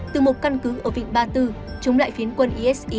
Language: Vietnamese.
từ một căn cứ ở vịnh ba tư chống lại phiến quân isi